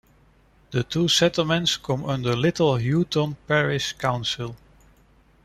The two settlements come under Little Houghton Parish Council.